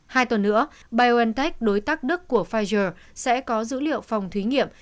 hai tuần nữa biontech đối tác đức của pfizer sẽ có dữ liệu phòng thí nghiệm